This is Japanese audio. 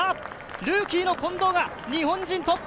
ルーキーの近藤が日本人トップ。